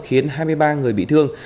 khiến hai mươi ba người bị thương